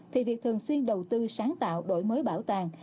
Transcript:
thì việc thường xuyên đầu tư sáng tạo đổi mới bảo tàng